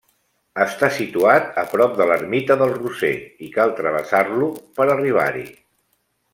Està situat a prop de l'ermita del Roser i cal travessar-lo per arribar-hi.